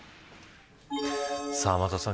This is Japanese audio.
天達さん